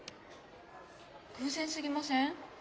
偶然すぎません？